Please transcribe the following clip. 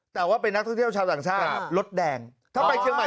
แต่ว่าเป็นนักท่องเที่ยวชาวต่างชาติรถแดงถ้าไปเชียงใหม่